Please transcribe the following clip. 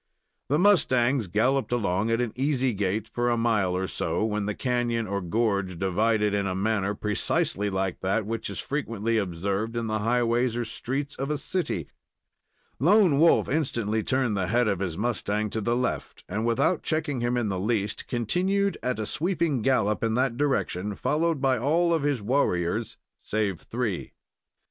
The mustangs galloped along at an easy gait, for a mile or so, when the canon, or gorge, divided in a manner precisely like that which is frequently observed in the highways or streets of a city. Lone Wolf instantly turned the head of his mustang to the left, and, without checking him in the least, continued at a sweeping gallop in that direction, followed by all of his warriors, save three.